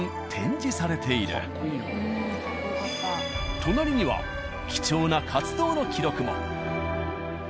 隣には貴重な活動の記録も。